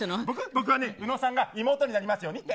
僕は宇野さんが妹になりますようにって。